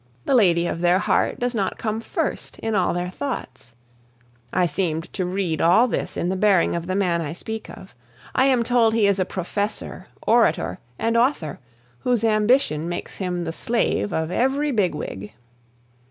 The lady of their heart does not come first in all their thoughts. I seemed to read all this in the bearing of the man I speak of. I am told he is a professor, orator, and author, whose ambition makes him the slave of every bigwig.